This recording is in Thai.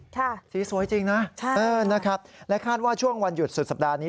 สีสวยจริงนะใช่เออนะครับและคาดว่าช่วงวันหยุดสุดสัปดาห์นี้